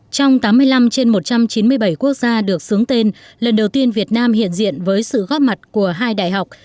trong tám mươi năm trên một trăm chín mươi bảy quốc gia được xướng tên lần đầu tiên việt nam hiện diện với sự góp mặt của hai đại học